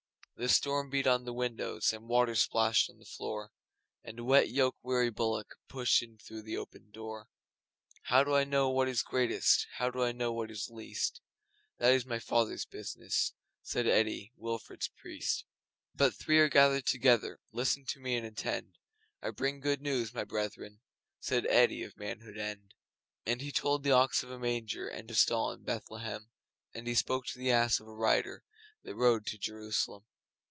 The storm beat on at the windows, The water splashed on the floor, And a wet yoke weary bullock Pushed in through the open door. 'How do I know what is greatest, How do I know what is least? That is My Father's business,' Said Eddi, Wilfrid's priest. 'But, three are gathered together Listen to me and attend. I bring good news, my brethren!' Said Eddi, of Manhood End. And he told the Ox of a manger And a stall in Bethlehem, And he spoke to the Ass of a Rider That rode to jerusalem.